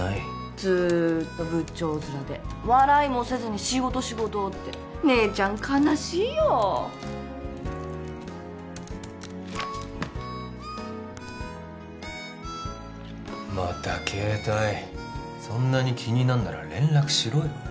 ずーっと仏頂面で笑いもせずに仕事仕事って姉ちゃん悲しいよまた携帯そんなに気になるなら連絡しろよ